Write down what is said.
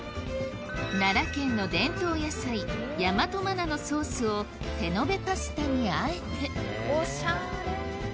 奈良県の伝統野菜大和真菜のソースを手延べパスタにあえておしゃれ。